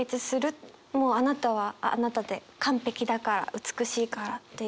もうあなたはあなたで完璧だから美しいからっていう。